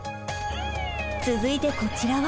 続いてこちらは？